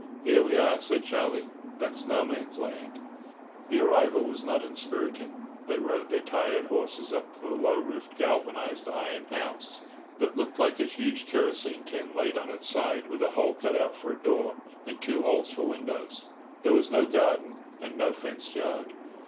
"Here we are!" said Charlie. "That's No Man's Land." The arrival was not inspiriting. They rode their tired horses up to the low roofed galvanised iron house, that looked like a huge kerosene tin laid on its side, with a hole cut for a door and two holes for windows. There was no garden and no fenced yard.